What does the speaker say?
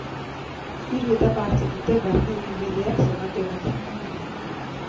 Hiru etapa hartzen dute barne ibilbideak zonalde honetan.